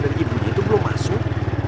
tapi ibunya itu belum masuk